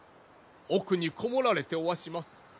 奥に籠もられておわします。